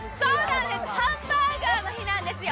ハンバーガーの日なんですよ。